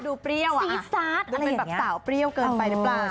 เปรี้ยวซีซาดอะไรแบบสาวเปรี้ยวเกินไปหรือเปล่า